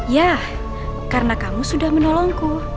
ya karena kamu sudah menolongku